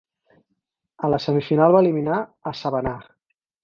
A la semifinal va eliminar a Savannah.